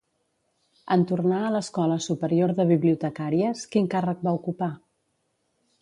En tornar a l'Escola Superior de Bibliotecàries, quin càrrec va ocupar?